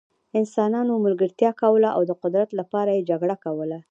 انسانانو ملګرتیا کوله او د قدرت لپاره یې جګړه کوله.